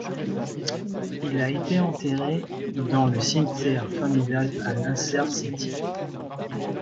Il a été enterré dans le cimetière familial a Nasr City.